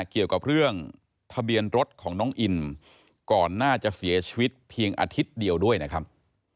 เกี่ยวกับเรื่องทะเบียนรถของน้องอินก่อนน่าจะเสียชีวิตเพียงอาทิตย์เดียวด้วยนะครับ